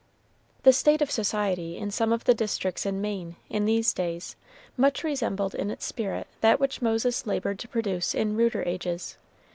The state of society in some of the districts of Maine, in these days, much resembled in its spirit that which Moses labored to produce in ruder ages.